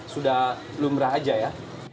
sudah lumrah saja ya